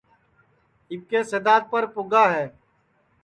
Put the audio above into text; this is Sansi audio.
اِٻکے سِدادپر پُگا ہے